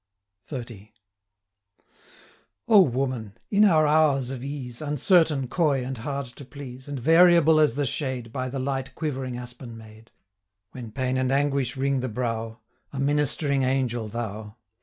XXX. O, Woman! in our hours of ease, Uncertain, coy, and hard to please, And variable as the shade By the light quivering aspen made; 905 When pain and anguish wring the brow, A ministering angel thou!